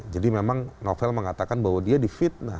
jadi memang novel mengatakan bahwa dia di fitnah